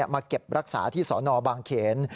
มาเก็บรักษาที่สนบางเขน